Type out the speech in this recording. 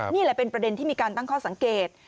นี่แหละเป็นประเด็นที่มีการตั้งข้อสังเกต